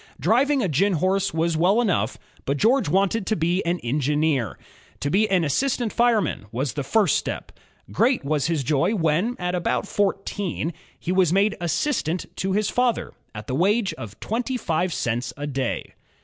Driving a gin horse was well enough, but George wanted to be an engineer. To be assistant fireman was the first step. Great was his joy when, at about fourteen, he was made assistant to his father, at the wage of twenty five cents a day.